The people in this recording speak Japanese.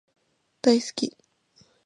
大好き